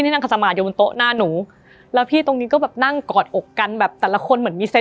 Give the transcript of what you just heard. เออมาทองหล่อนั่งร้องไห้